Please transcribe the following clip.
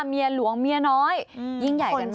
เมียหลวงเมียน้อยยิ่งใหญ่กันมาก